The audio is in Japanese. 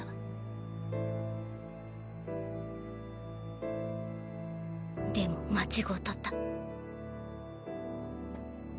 心の声でも間違うとった。